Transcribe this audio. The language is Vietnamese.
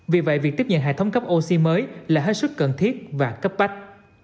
vì vậy việc tiếp nhận hệ thống cấp oxy mới là hết sức cần thiết và cấp bách